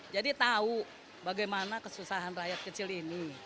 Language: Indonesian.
jadi tahu bagaimana kesusahan rakyat kecil ini